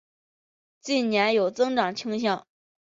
近年有增长倾向。